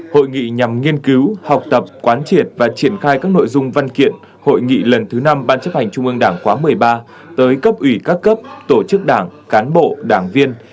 hội nghị nhằm nghiên cứu học tập quán triệt và triển khai các nội dung văn kiện hội nghị lần thứ năm ban chấp hành trung ương đảng khóa một mươi ba tới cấp ủy các cấp tổ chức đảng cán bộ đảng viên